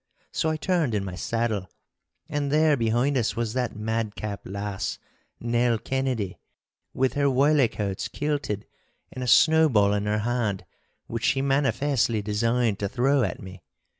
So I turned in my saddle, and there behind us was that madcap lass, Nell Kennedy, with her wylicoats kilted and a snowball in her hand, which she manifestly designed to throw at me.